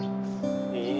ih jarang kayak lu